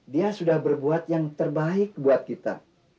dia sudah berbuat yang terbaik buat kita